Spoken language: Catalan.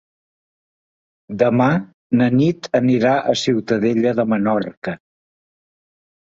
Demà na Nit anirà a Ciutadella de Menorca.